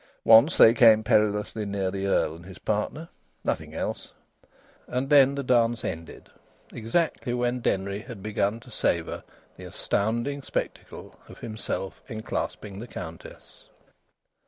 Once they came perilously near the Earl and his partner; nothing else. And then the dance ended, exactly when Denry had begun to savour the astounding spectacle of himself enclasping the Countess.